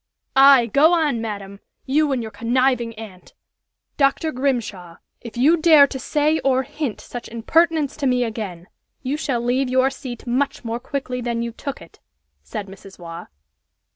"Aye! go on, madam! You and your conniving aunt " "Dr. Grimshaw, if you dare to say or hint such impertinence to me again, you shall leave your seat much more quickly than you took it," said Mrs. Waugh.